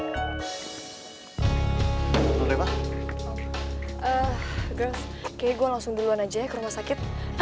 terus kayaknya gue langsung duluan aja ya ke rumah sakit